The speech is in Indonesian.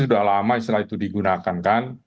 sudah lama istilah itu digunakan kan